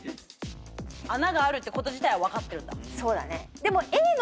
穴があるってこと自体は分かってるんだ。